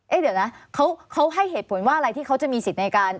เดี๋ยวนะเขาให้เหตุผลว่าอะไรที่เขาจะมีสิทธิ์ในการ